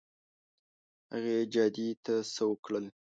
هغې جادې ته سوق کړل.